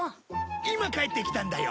今帰ってきたんだよ